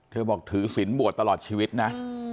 เธอบอกถือสินบวชตลอดชีวิตนะ